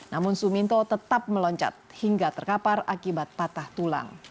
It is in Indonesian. namun suminto tetap meloncat hingga terkapar akibat patah tulang